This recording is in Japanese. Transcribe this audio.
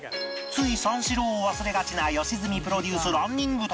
つい三四郎を忘れがちな良純プロデュースランニング旅